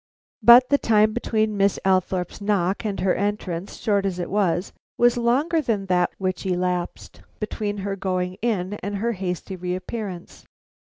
But the time between Miss Althorpe's knock and her entrance, short as it was, was longer than that which elapsed between her going in and her hasty reappearance.